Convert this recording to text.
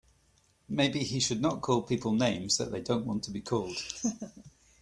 Maybe he should not call people names that they don't want to be called.